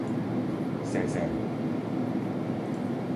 射射